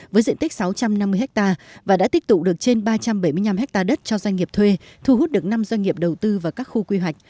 với diện tích sáu trăm năm mươi ha và đã tích tụ được trên ba trăm bảy mươi năm ha đất cho doanh nghiệp thuê thu hút được năm doanh nghiệp đầu tư vào các khu quy hoạch